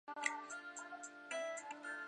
北附地菜是紫草科附地菜属的植物。